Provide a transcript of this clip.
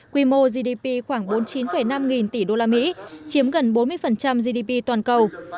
quy mô gdp khoảng bốn mươi chín năm nghìn tỷ usd chiếm gần bốn mươi gdp toàn cầu